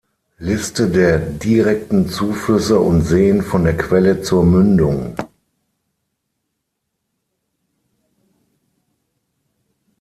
Liste der direkten Zuflüsse und Seen von der Quelle zur Mündung.